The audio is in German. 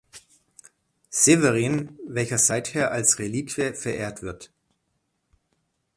Severin, welcher seither als Reliquie verehrt wird.